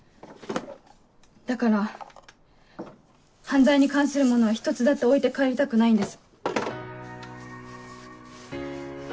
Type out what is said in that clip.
だから犯罪に関するものは１つだって置いて帰りたくないんです。